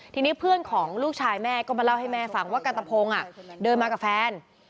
ทีนี้เพื่อนของลูกชายแม่ก็มาเล่าให้แม่ฟังว่ากันตะพงเดินมากับแฟน